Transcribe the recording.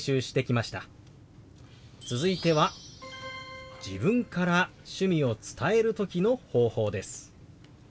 続いては自分から趣味を伝える時の方法です。